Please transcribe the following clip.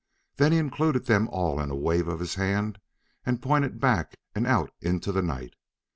Then he included them all in a wave of his hand and pointed back and out into the night.